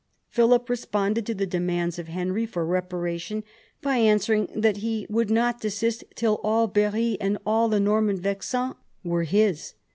Philip responded to the demands of Henry for reparation by answering that he would not desist till all Berry and all the Norman Vexin were his.